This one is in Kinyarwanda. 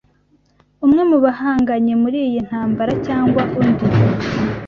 umwe mu bahanganye muri iyi ntambara cyangwa undi